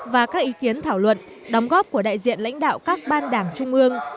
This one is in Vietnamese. và các ý kiến thảo luận đóng góp của đại diện lãnh đạo các ban đảng trung ương